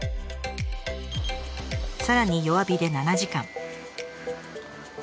さらに弱火で７時間。